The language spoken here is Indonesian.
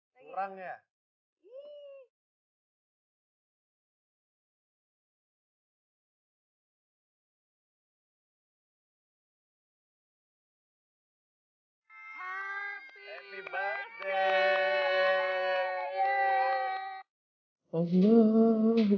nih papa dikasih yang banyak ya